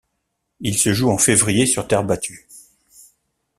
Il se joue en février sur terre battue.